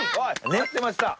待ってました！